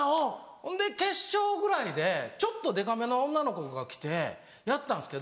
ほんで決勝ぐらいでちょっとデカめの女の子が来てやったんですけど。